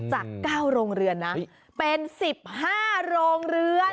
จาก๙โรงเรือนนะเป็น๑๕โรงเรือน